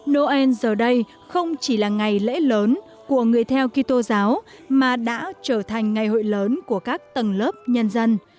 noel giờ đây không chỉ là ngày lễ lớn của người theo kỳ tô giáo mà đã trở thành ngày hội lớn của các tầng lớp nhân dân